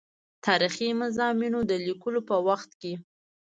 تاریخي مضامینو د لیکلو په وخت کې.